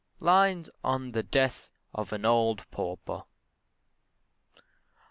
LINES ON THE DEATH OF AN OLD PAUPER.